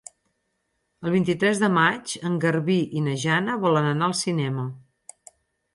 El vint-i-tres de maig en Garbí i na Jana volen anar al cinema.